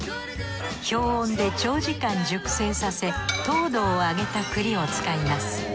氷温で長時間熟成させ糖度を上げた栗を使います。